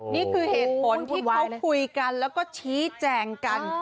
นี่คือเหตุผลที่เขาคุยกันแล้วก็ชี้แจงกัน